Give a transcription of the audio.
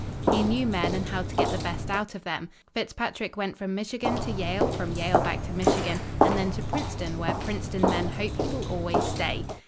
He knew men and how to get the best out of them. Fitzpatrick went from Michigan to Yale, from Yale back to Michigan, and then to Princeton, where Princeton men hope he will always stay.